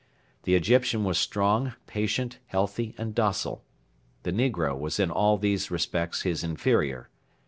The Egyptian was strong, patient, healthy, and docile. The negro was in all these respects his inferior.